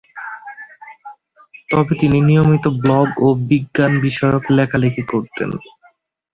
তবে তিনি নিয়মিত ব্লগ ও বিজ্ঞান-বিষয়ক লেখালেখি করতেন।